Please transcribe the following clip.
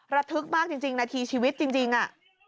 ระทึกมากจริงนาทีชีวิตจริง